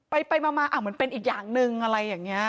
ไปไปมามันเป็นอีกอย่างนึงอะไรอย่างนี้